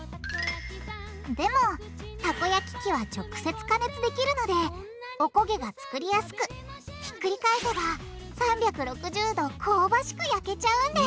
でもたこ焼き器は直接加熱できるのでおこげが作りやすくひっくり返せば３６０度香ばしく焼けちゃうんです！